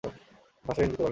ভাষা হিন্দিতে পাল্টাও।